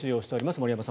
森山さん